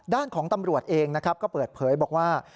ด้านของตำรวจเองนะครับก็เปิดเผยบอกว่า